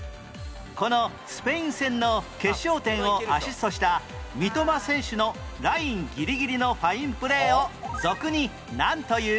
このスペイン戦の決勝点をアシストした三笘選手のラインギリギリのファインプレーを俗になんという？